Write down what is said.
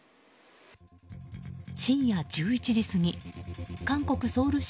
深夜１１時過ぎ韓国ソウル市